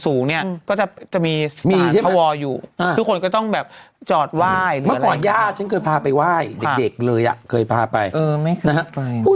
คือจะจะมีไปทางพระวรค์อยู่